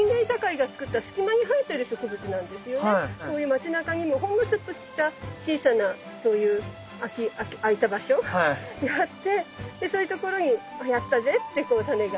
こういう街なかにもほんのちょっとした小さなそういうあいた場所があってそういうところに「やったぜ！」ってこう種が。